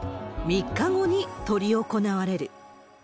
３日後に執り行われる。